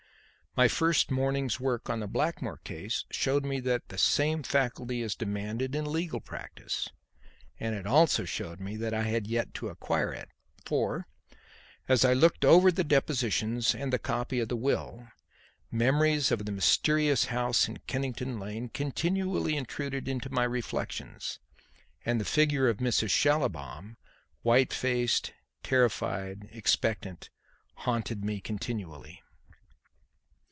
My first morning's work on the Blackmore case showed me that the same faculty is demanded in legal practice; and it also showed me that I had yet to acquire it. For, as I looked over the depositions and the copy of the will, memories of the mysterious house in Kennington Lane continually intruded into my reflections, and the figure of Mrs. Schallibaum, white faced, terrified, expectant, haunted me continually.